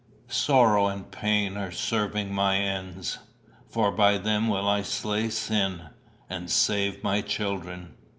Sorrow and pain are serving my ends; for by them will I slay sin; and save my children.